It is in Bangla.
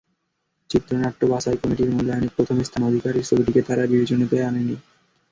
চিত্রনাট্য বাছাই কমিটির মূল্যায়নে প্রথম স্থান অধিকারীর ছবিটিকে তারা বিবেচনাতেই আনেনি।